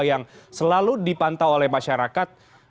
yang selalu dipantau oleh masyarakat